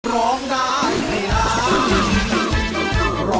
ร้องได้ให้ล้าน